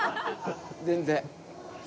全然。